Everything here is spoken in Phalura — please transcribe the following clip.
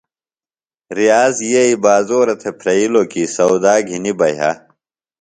ریاض یئی بازورہ تھےۡ پھرئلِوۡ کی سودا گِھنیۡ بہ یہہ۔